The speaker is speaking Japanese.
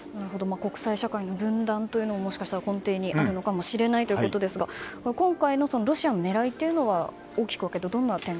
国際社会の分断というのももしかしたら根底にあるのかもしれないということですが今回のロシアの狙いは大きく